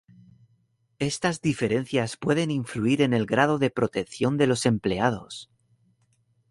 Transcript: Estas diferencias pueden influir en el grado de protección de los empleados.